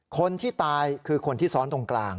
คนที่ตายคือคนที่ซ้อนตรงกลาง